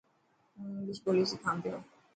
هون انگلش ٻولي سکان پيو.